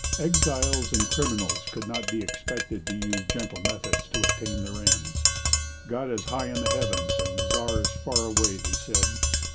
Exiles and criminals could not be expected to use gentle methods to attain their ends. 'God is high in the heavens and the Czar is far away,' they said.